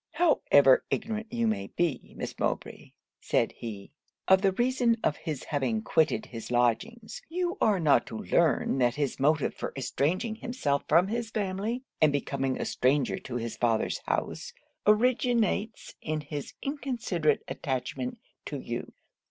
'However ignorant you may be, Miss Mowbray,' said he, 'of the reason of his having quitted his lodgings, you are not to learn that his motive for estranging himself from his family, and becoming a stranger to his father's house, originates in his inconsiderate attachment to you.